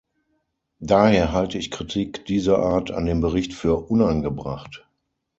Daher halte ich Kritik dieser Art an dem Bericht für unangebracht.